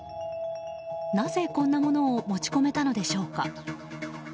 なぜこんなものを持ち込めたのでしょうか。